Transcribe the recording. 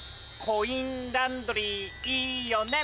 コインランドリーいいよね